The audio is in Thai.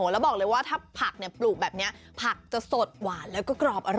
แล้วบอกเลยว่าถ้าผักปลูกแบบนี้ผักจะสดหวานแล้วก็กรอบอร่อย